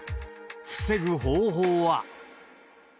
防ぐ方法は。